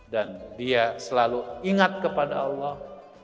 dan dia selalu ingat kepada allah